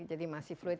jadi masih fluid